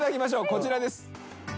こちらです。